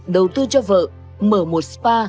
đầu tư cho vợ mở một spa